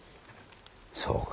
そうか。